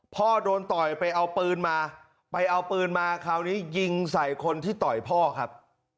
พ่อโดนต่อยไปเอาปืนมาไปเอาปืนมาคราวนี้ยิงใส่คนที่ต่อยพ่อครับ